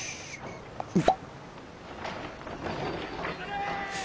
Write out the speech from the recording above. うん？